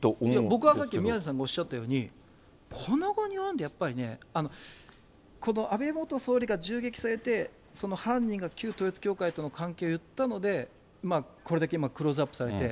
僕はさっき宮根さんがおっしゃったように、この期に及んでやっぱりね、この安倍元総理が銃撃されて、その犯人が旧統一教会との関係を言ったので、これだけ今、クローズアップされて。